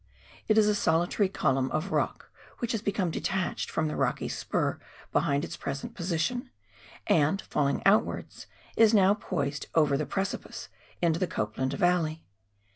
It is a solitary column of rock which has become detached from the rocky spur behind its present position, and, falling outwards, is now poised over the precipice into the Copland Valley.